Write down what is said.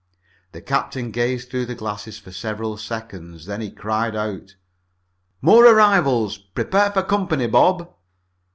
The captain gazed through the glasses for several seconds. Then he cried out: "More arrivals! Prepare for company, Bob!"